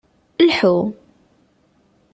Lḥu!